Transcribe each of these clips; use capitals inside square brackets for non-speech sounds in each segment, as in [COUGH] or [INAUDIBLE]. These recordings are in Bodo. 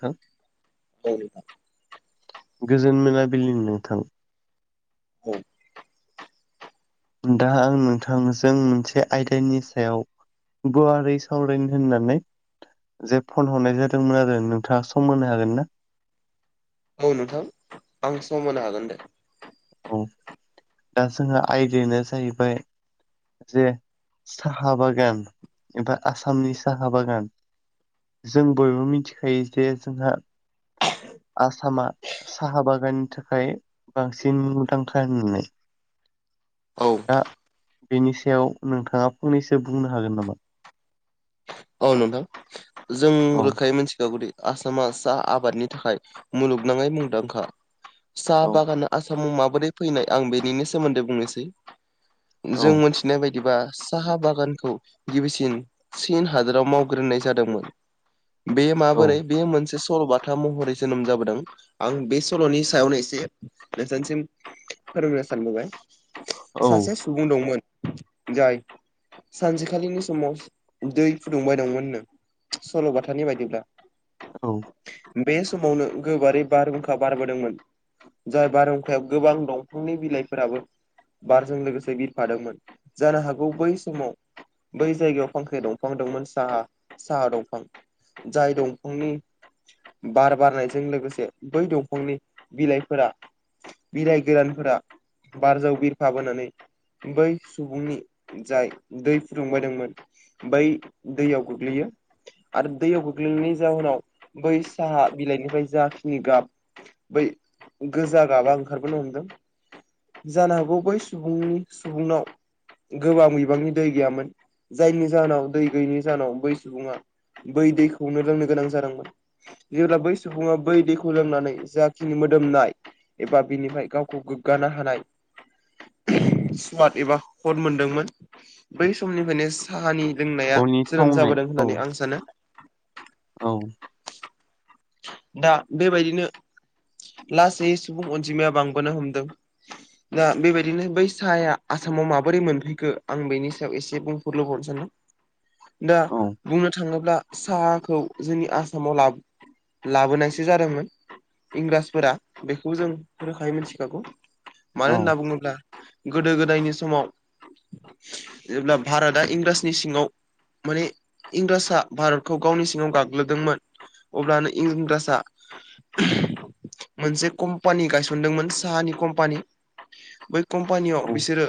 थां औ गोजोन मोनाब बिलि्नि नोंथां औ दा आं नोंथांजों मोनसे आयदानि सायाव गुवारै सावरायनो होननानै जे फन हरनाय जादोंमोन आरो नोंथाङा सम होनो हागोन ना औ नोंथां आं सम होनो हागोन दे औ दा जोंहा आयदायानो जाहैबाय जे साहा बागान एबा आसामनि साहा बागान जों बयबो मिथिखायो जे जोंहा आसामा साहा बागाननि थाखाय बांसिनुथांखा होननानै औ दा बेनि सायाव नोंथाङा फंनैसो बुंनो हागोन नामा औ नोंथां जों औ रोखायै मोनथिखागौेदि आसामा साहा आबादनि थाखाय मुलुगनाङै मुंदांखा साहा औ बागाना आसाम सायाव माबोरै फैनाय आं बेनिनो सोमोन्दै बुंनोसै औ जों मोनथि नाय बायदिबा साहा बागानखौ गिबिसिन चिन हादोराव मावग्रोनाय जादोंमोन बे औ माबोरै बे मोनसे सल'बाथा महरै जोनोम जाबोदों आं बे सल'नि सायावनो एसे नोंथांनिसिम [UNINTELLIGIBLE] सानबोबाय औ सासे सुबुं दंमोन जाय सानसेखालिनि समाव दै फुदुंबाय दंमोननो सल'बाथानि बायदिब्ला। औ बे समावनो गोबारै बारहुंखा बारबोदोंमोन। जाय बारहुंखायाव गोबां दंफांनि बिलाइफोराबो बारजों लोगोसे बिरफादोंमोन जानो हागौ बै समाव बै जायगायाव फांखाय दं। फां दंमोन सा साहा दंफां जाय दंफांनि बार बारनायजों लोगोसे बै दंफांनि बिलाइफोरा बिलाय गोरानफोरा बारजों बिरफाबोनानै बै सुबुंनि जाय दै फुदुंबायदोंमोन बै दैयाव गोग्लैयो आरो दैयाव गोग्लैनायनि जाहोनाव बै साहा बिलाइनिफ्राय जाखिनि गाब बै गोजा गाबा ओंखारबोनो हमदों। जानो हागौ बै सुबुंनि सुबुंनाव गोबां बिबांनि दै गैयामोन जायनि जाहोनाव दै गैयिनि जाहोनाव बै सुबुङा बै दैखौनो लोंनो गोनां जादोंमोन। जेब्ला बै सुबुङा बै दैखौ लोंनानै जाखिनि मोदोमनाय एबा बिनिफ्राय गावखौ गोग्गानो हानाय स्मार्ट एबा हद मोनदोंमोन बै समनिफ्रायनो [UNINTELLIGIBLE] लोंनाया फननि जोनोम थावनाय जाबोदों औ होननानै आं सानो। औ दा बेबायदिनो लासै सुबुं अनजिमाया बांबोनो हमदों। दा बेबायदिनो बै साहाया आसामाव माबोरै मोनफैखो आं बेनि सायाव एसे बुं [UNINTELLIGIBLE] सानदों। दा औ बुंनो थाङोब्ला साहाखौ जोंनि आसामाव लाबो लाबोनायसो जादोंमोन इंराजफोरा बेखौ जों रोखायै मिथिखागौ। औ मानो होनना बुङोब्ला गोदो गोदायनि समाव जेब्ला भारतआ इंराजनि सिङाव माने इंराजआ भारतखौ गावनि सिङाव गाग्लोदोंमोन अब्लानो इंराजआ मोनसे कम्पानि गायसनदोंमोन साहानि कम्पानि। बै कम्पानियाव औ बिसोरो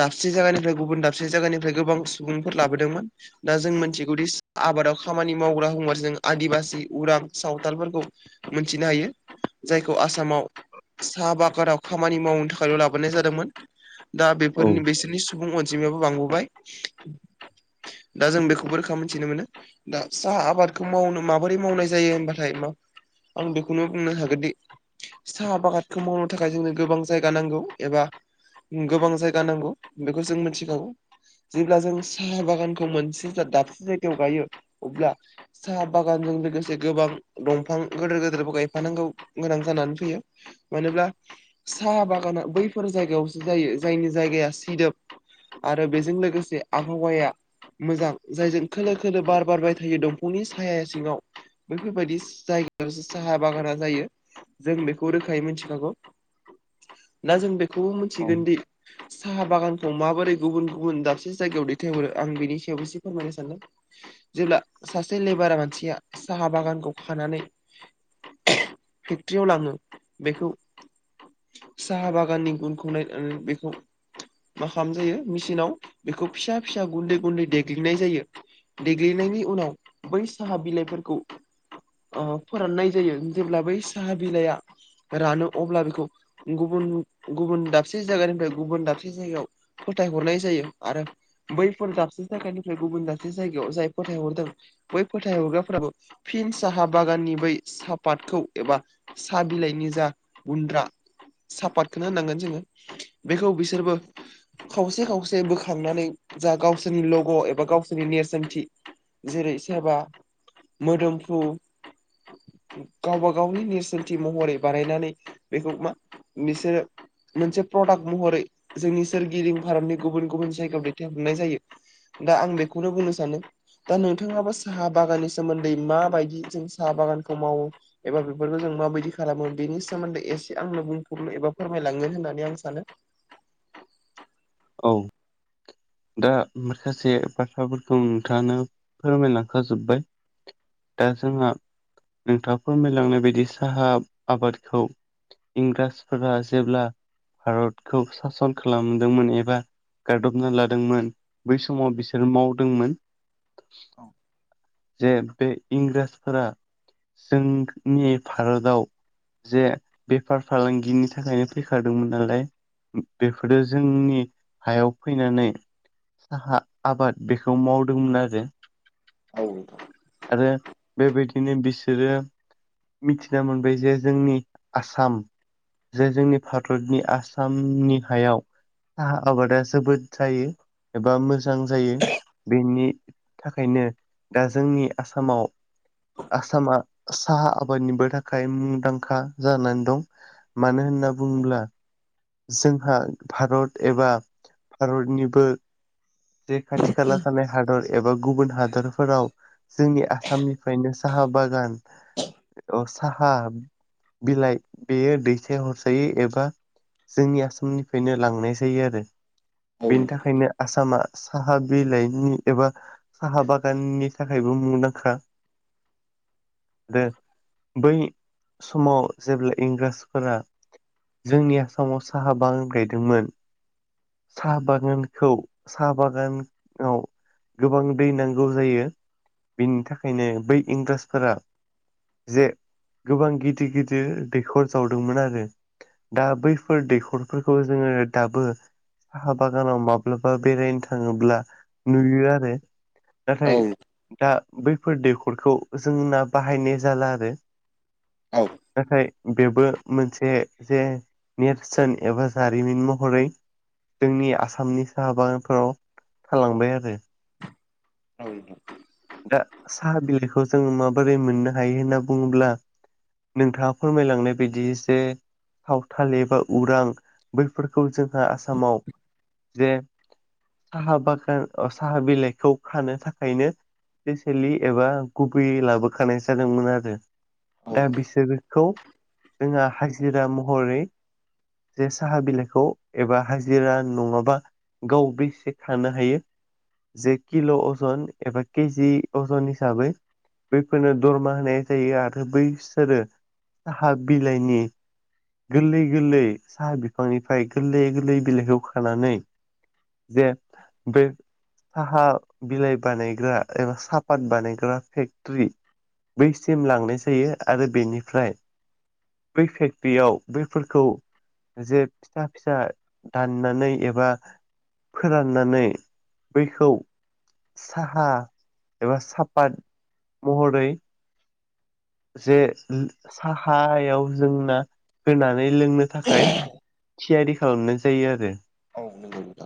दाबसे जायगानिफ्राय गुबुन दाबसे जायगानिफ्राय गोबां सुबुंफोर लाबोदोंमोन दा जों मोनथिगौदि आबादाव खामानि मावग्रा होनबाथाय जों आदिबासि उरां सावथालफोरखौ मोनथिनो हायो जायखौ आसामाव साहा बागानाव खामानि मावनो थाखायल' लाबोनाय जादोंमोन दा औ बेफोरनि बिसोरनि सुबुं अनजिमायाबो बांबोबाय। दा जों बेखौबो रोखा मोनथिनो मोनो दा साहा आबादखौ मावनो माबोरै मावनाय जायो होमबाथाय मा आं बेखौनो बुंनो हागोनदि साहा बागानखौ मावनो थाखाय जोंनो गोबां जायगा नांगौ एबा गोबां जायगा नांगौ बेखौ जों मोनथिखागौ। जेब्ला जों साहा बागानखौ मोनसे जा दाबसे जायगायाव गाइयो अब्ला साहा बागानजों लो लोगोसे गोबां दंफां गिदोर गोेदोरबो गायफानांगौ गोनां जानानै फैयो। मानोब्ला साहा बागाना बैफोर जायगायावसो जायो। जायनि जायगाया सिदोब। आरो बेजों लोगोसे आबहावाया मोजां जायजों खोलो खोलो बार बारबाय थायो दंफांनि सायाया सिङाव। बैफोरबायदि जायगायावो साहा बागाना जायो। जों बेखौ रोखायै मिथिखागौ। ना जों बेखौबो औ मोनथिगोन दि साहा बागानखौ माबोरै गुबुन गुबुन दाबसे जायगायाव दैथायहरो आं बिनि सायावबो एसे फोरमायनो सानदों। जेब्ला सासे लेबारा मानसिया साहा बागानखौ खानानै फेक्ट्रियाव लाङो बेखौ साहा बागाननि गुनखौ नायनानै बेखौ मा खालाम जायो मेचिनाव बेखौ फिसा फिसा गुन्दै गुन्दै देग्लिनाय जायो। देग्लिनायनि उनाव बै साहा बिलाइफोरखौ अ फोराननाय जायो जेब्ला बै साहा बिलाइआ रानो अब्ला बेखौ गुबुन गुबुन दाबसे जायगानिफ्राय गुबुन दाबसे जायगायाव फोथायहरनाय जायो आरो बैफोर दाबसे जायगानिफ्राय गुबुन दाबसे जायगायाव जाय फोथाय हरदों बै फोथाय हरग्राफोराबो फिन साहा बागाननि बै सापातखौ एबा सा बिलाइनि जा गुन्द्रा सापातखोनो होननांगोन जोङो। बेखौ बिसोरबो खावसे खावसे बोखांनानै जा गावसोरनि लग' एबा गावसोरनि नेरसोनथि जेरै सेबा मोदोमफ्रु गावबा गावनि नेरसोनथि महरै बानायनानै बेखौ मा बिसोरो मोनसे प्रडाक्ट महरै जोंनि सोरगिदिं भारतनि गुबुन गुबुन जायगायाव दैथायहरनाय जायो। दा आं बेखौनो बुंनो सानो दा नोंथाङाबो साहा बागाननि सोमोन्दै माबायदि जों साहा बागानखौ मावो एबा बेफोरखौ जों मा बायदि खालामो। बेनि सोमोन्दै एसे आंनो बुंफुरनो एबा फोरमायलाङो होननानै आं सानो। औ। दा माखासे बाथ्राफोरखौ नोंथाङानो फोरमायलांखा जोबबाय। दा जोंहा नोंथाङा फोरमायलांनाय बायदि साहा आबादखौ इंराजफोरा जेब्ला भारतखौ सासन खालामदोंमोन एबा बा गादबना लादोंमोन बै समाव बिसोर मावदोंमोन। जे बे इंराजफोरा जों नि भारताव जे बेफार फालांगिनि थाखायनो फैखादोंमोन नालाय। उम बेफोरो जोंनि हायाव फैनानै साहा आबाद बेखौ मावदोंमोन आरो। औ। आरो बेबायदिनो बिसोरो मिथिना मोनबाय जे जोंनि आसाम जे जोंनि भारतनि आसामनि हायाव साहा आबादा जोबोद जायो एबा मोजां जायो। बेनि थाखायनो दा जोंनि आसामाव आसामा साहा आबादनिबो थाखाय मुंदांखा जानानै दं। मानो होन होनना बुङोब्ला जोंहा भारत एबा भारतनिबो जे खाथि खाला थानाय हादर एबा गुबुन हादरफोराव जोंनि आसामनिफ्रायनो साहा बागान अ साहा बिलाइ बेयो दैथायहरजायो एबा जोंनि आसामनिफायनो लांनाय जायो आरो। औ बेनि नोंथां थाखायनो आसामा साहा बिलाइनि एबा साहा बागाननि थाखाय थाखायबो मुंदांखा द बै समाव जेब्ला इंराजफोरा जोंनि आसामाव साहा बां गायदोंमोन साहा बागानखौ साहा बागानाव गोबां दै नांगौ जायो बिनि थाखायनो बै इंन्द्राजफोरा जे गोबां गिदिर गिदिर दैखर जावदोंमोन आरो दा बैफोर दैखरफोरखौ जोङो दाबो साहा बागानाव माब्लाबा बेरायनो थाङोब्ला नुयो आरो। नाथाय औ दा बैफोर दैखरखौ जों नना बाहायनाय जाला आरो नाथाय बेबो मोनसे जे नेरसोन एबा जारिमिन महरै जोंनि आसामनि साहा बागानफोराव थालांबाय आरो औ नोंथां। दा साहा बिलाइखौ जोङो माबोरै मोननो हायो होनना बुङोब्ला नोंथाङा फोरमायलांनाय बायदि एसे सावथाल एबा उरां बैफोरखौ जोंहा आसामाव जे साहा बागान साहा बिलाइखौ खानो थाखायनो स्पेसेलि एबा गुबैय लाबोखानाय जादोंमोन आरो औ दा बिसोरो खौ जोंहा हाजिरा महरै जे साहा बिलाइखौ एबा हाजिरा नङाबा गावबोसे खानो हायो जे किल' अजन एबा केजि अजन हिसाबै बैफोरनो दरमा होनाय जायो आरो बैसोरो हाब बिलायनि गोरलै गोरलै साहा बिफांनिफ्राय गोरलै गोरलै बिलाइखौ खानानै जे बे साहा बिलाइ बानायग्रा एबा साहापात बानायग्रा फेक्टरि बैसिम लांनाय जायो आरो बेनिफ्राय बै फेक्ट बेयाव बैफोरखौ जे फिथा फिसा दाननानै एबा फोराननानै बैखौ साहा एबा सापात महरै जे साहायाव जोंना होनानै लोंनो थाखाय थियारि खालामनाय जायो आरो। औ नंगौ नोंथां।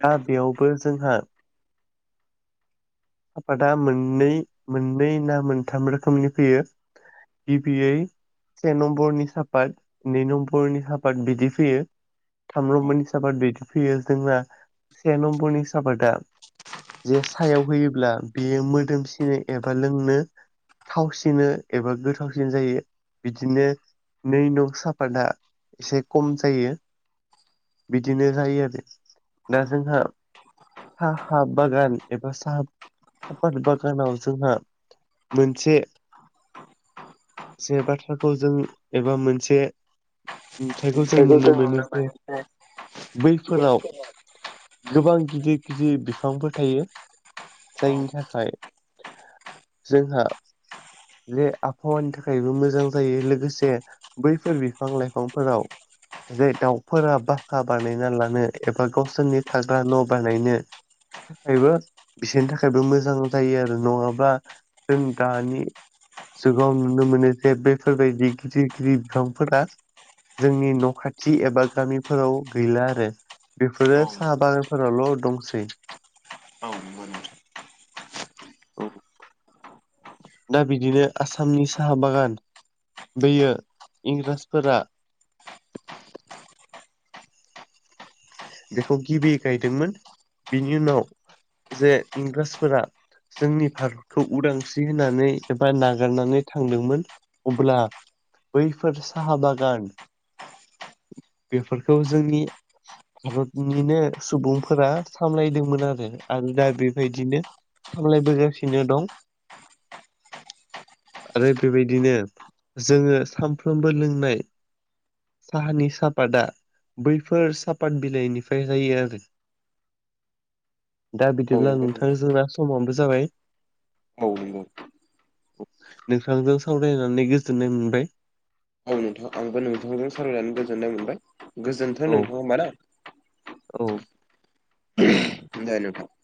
दा बेयावबो जोंहा आफादा मोननै मोननै ना मोनथाम रोखोमनि फैयो गिबियै से नम्बरनि सापात नै नम्बरनि साफात बिदि फैयो। थाम नम्बरनि साहापात बिदि फैयो जोंना से नम्बरनि साादआ जे सायाव होयोब्ला बेयो मोदोमसिनो एबा लोंनो थावसि नो एबा गोथावसिन जायो बिदिनो नै नं साफाता एसे खम जायो बिदिनो जायो आरो दा जोंहा हा हा बागान एबा साफ बागानाव जोंहा मोनसे जे बाथ्राखौ जों एबा मोनसे नुथथायखौ जों नुनो मोनो। बैफोराव गोबां गिदिर गिदिर बिफांफोर थायो। औ जायनि थाखाय जोंहा जे आबहावानि थाखायबो मोजां जायो लोगोसे बैफोर बिफां लाइफांफोराव जे दाउफोरा बासा बानायना लानो एबा गावसोरनि थाग्रा न' बानायनो थाखायबो बिसोरनि थाखायबो मोजां जायो आरो नङाबा जों दानि जुगाव नुनो मोनो जे बेफोरबायदि गिदिर गिदिर बिफांफोरा जोंनि न' खाथि एबा गामिफोराव गैला आरो। बेफोरो साहा बागानफोरावल' दंसै। औ नंगौ नोंथां। औ दा बिदिनो आसामनि साहा बागान बैयो इंराजफोरा बेखौ गिबि गायदोंमोन बेनि उनाव जे इंराजफोरा जोंनि भारतखौ उदांस्रि होनानै एबा नागारनानै थांदोंमोन। अब्ला बैफोर साहा बागान बेफोरखौ जोंनि भारतनिनो सुबुंफोरा सामलायदोंमोन आरो आरो दा बेबायदिनो सामलायबोगासिनो दं। आरो बेबायदिनो जोङो सामफ्रोमबो लोंनाय साहानि सापादा बैफोर सापाद बिलाइनिफ्राय जायो आरो। दा औ बिदिब्ला नंगौ नोंथां जोंना समाबो जाबाय। औ नंगौ नोंथांजों सावरायनानै गोजोननाय मोनबाय। औ नोंथां आंबो नोंथांजों सावरायनानै गोजोननाय मोनबाय गोजोनथों औ नोंथां होमबा ना? औ। [UNINTELLIGIBLE]